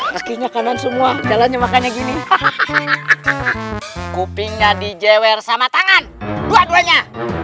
kakinya kanan semua jalannya makanya gini hahaha kupingnya dj sama tangan dua duanya